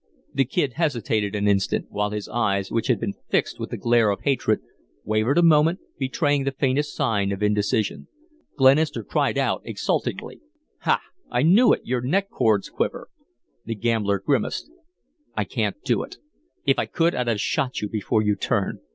The Kid hesitated an instant, while his eyes, which had been fixed with the glare of hatred, wavered a moment, betraying the faintest sign of indecision. Glenister cried out, exultantly: "Ha! I knew it. Your neck cords quiver." The gambler grimaced. "I can't do it. If I could, I'd have shot you before you turned.